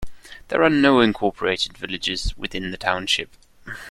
There are no incorporated villages within the township.